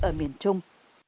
ở miền trung